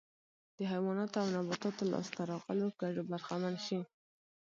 د حیواناتو او نباتاتو لاسته راغلو ګټو برخمن شي